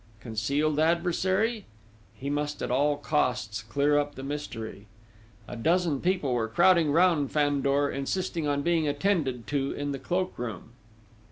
Concealed adversary? He must, at all costs, clear up the mystery. A dozen people were crowding round Fandor, insisting on being attended to in the cloak room.